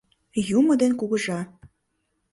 Юмо ден кугыжа